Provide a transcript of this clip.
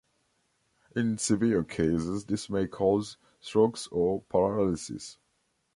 In severe cases this may cause strokes or paralysis.